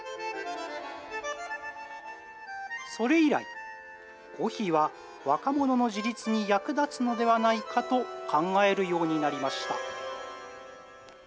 それ以来、コーヒーは若者の自立に役立つのではないかと考えるようになりました。